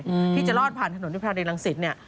ที่จะรอดผ่านถนนพิพันธ์ในลังศิษย์